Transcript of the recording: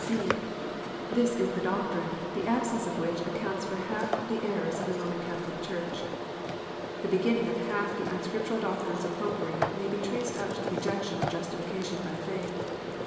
(c) This is the doctrine, the absence of which accounts for half the errors of the Roman Catholic CJmrch. The beginning of half the unscriptural doctrines of Popery may be traced up to rejection of justification by faith.